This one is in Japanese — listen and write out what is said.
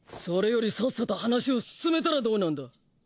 それよりさっさと話を進めたらどうなんだ。